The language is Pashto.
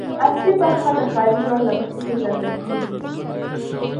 عصري برخه د ښاري ژوند له مخې پېژندل کېږي.